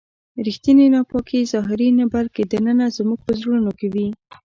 ریښتینې ناپاکي ظاهري نه بلکې دننه زموږ په زړونو کې وي.